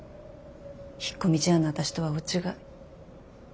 引っ込み思案な私とは大違い。